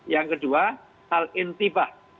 yang kedua hal intipah